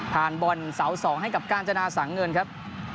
บอลเสา๒ให้กับกาญจนาสังเงินครับ